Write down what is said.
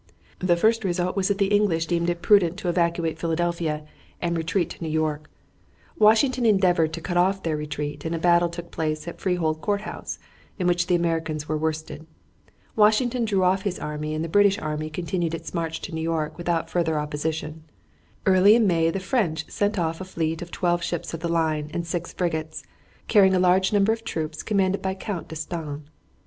The first result was that the English deemed it prudent to evacuate Philadelphia and retreat to New York. Washington endeavored to cut off their retreat, and a battle took place at Freehold Court House, in which the Americans were worsted. Washington drew off his army, and the British army continued its march to New York without further opposition. Early in May the French sent off a fleet of twelve ships of the line and six frigates, carrying a large number of troops commanded by Count D'Estaing.